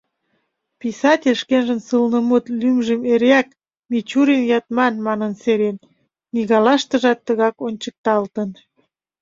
Писатель шкенжын сылнымут лӱмжым эреак «Мичурин Ятман» манын серен, книгалаштыжат тыгак ончыкталтын.